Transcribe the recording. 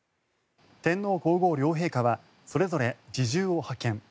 天皇・皇后両陛下はそれぞれ侍従を派遣。